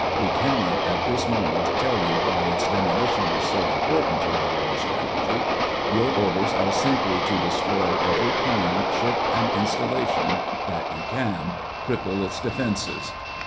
We cannot at this moment tell you why its demolition is so important to our war strategy. Your orders are simply to destroy every plane, ship and installation that you can, cripple its defenses.